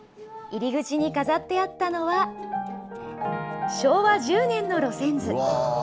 入り口に飾ってあったのは、昭和１０年の路線図。